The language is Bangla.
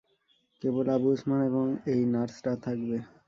কেবল আবু উসমান এবং এই নার্সরা থাকবে।